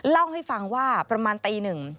เล่าให้ฟังว่าประมาณตีหนึ่ง